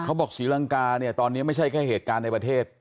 เขาบอกสีลังกาตอนนี้ไม่ใช่แค่เหตุการณ์ในประเทศ